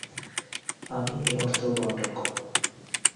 আমি এ অর্থ বণ্টন করব না।